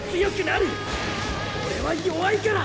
オレは弱いから！